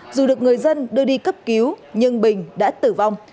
dù được người dân đưa đi cấp cứu nhưng bình đã tử vong